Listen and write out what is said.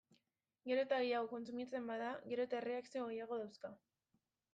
Gero eta gehiago kontsumitzen bada, gero eta erreakzio gehiago dauzka.